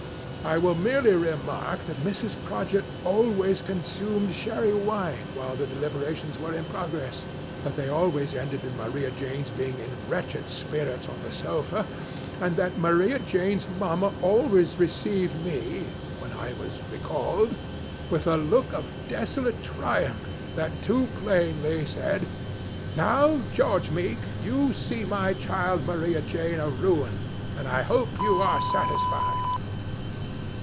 I will merely remark, that Mrs. Prodgit always consumed Sherry Wine while the deliberations were in progress ; that they always ended in Maria Jane's being in wretched spirits on the sofa ; and that Maria Jane's Mama always received me, when I VOL. II. 506 HOUSEHOLD WORDS. [Conducted by was recalled, with a look of desolate triumph that too plainly said, " Now, George Meek ! You see my child, Maria Jane, a ruin, and I hope you are satisfied